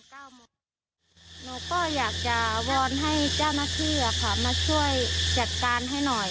หนูก็อยากจะวอนให้เจ้าหน้าที่มาช่วยจัดการให้หน่อย